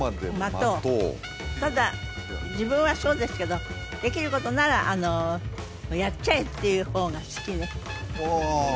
待とうただ自分はそうですけどできることならやっちゃえっていう方が好きですああ